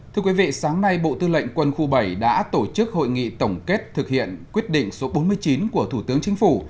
thưa quý vị sáng nay bộ tư lệnh quân khu bảy đã tổ chức hội nghị tổng kết thực hiện quyết định số bốn mươi chín của thủ tướng chính phủ